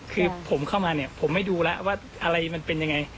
คือผมเข้ามาเนี่ยผมไม่ดูแล้วว่าอะไรมันเป็นยังไง